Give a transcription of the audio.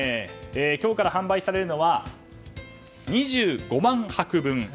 今日から販売されるのは２５万泊分。